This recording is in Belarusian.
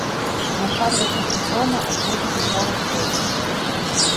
Начальнік гарнізона ўводзіць у горад войскі.